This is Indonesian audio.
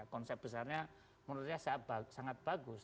konsep besarnya menurut saya sangat bagus